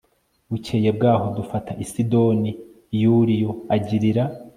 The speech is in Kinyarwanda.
Bukeye bw aho dufata i Sidoni Yuliyo agirira